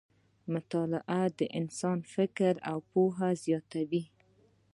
مطالعه د انسان فکر او پوهه زیاتوي.